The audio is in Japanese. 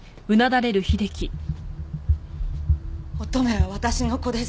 乙女は私の子です。